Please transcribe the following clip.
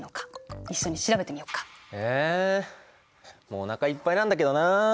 もうおなかいっぱいなんだけどな。